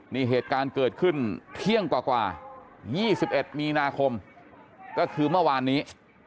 นี่เหตุการณ์เกิดขึ้นเที่ยงกว่า๒๑มีนาคมก็คือเมื่อวานนี้